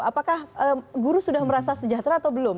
apakah guru sudah merasa sejahtera atau belum